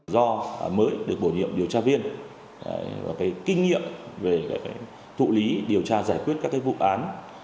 do mới được bổ nhiệm điều tra viên và kinh nghiệm về thụ lý điều tra giải quyết các vụ án